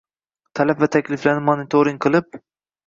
talab va takliflarini monitoring qilib